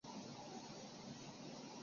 紫花冷蒿是菊科蒿属冷蒿的变种。